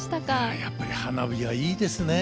やっぱり、花火はいいですね。